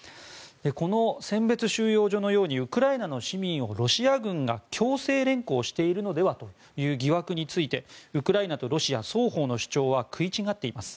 この選別収容所のようにウクライナの市民をロシア軍が強制連行しているのではという疑惑についてウクライナとロシア双方の主張は食い違っています。